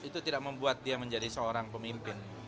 itu tidak membuat dia menjadi seorang pemimpin